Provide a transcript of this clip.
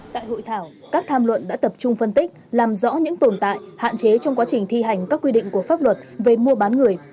tại hội thảo các tham luận đã tập trung phân tích làm rõ những tồn tại hạn chế trong quá trình thi hành các quy định của pháp luật về mua bán người